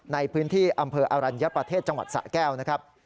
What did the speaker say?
ในพื้นที่อำเภออรัญญประเทศจังหวัดสะแก้วนะครับ